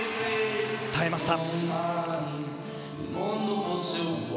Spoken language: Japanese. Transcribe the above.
耐えました。